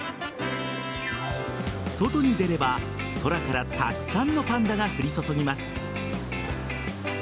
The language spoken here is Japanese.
外に出れば空からたくさんのパンダが降り注ぎます。